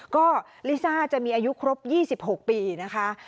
ก็ลิซ่าจะมีอายุครบ๒๖ปีนะคะ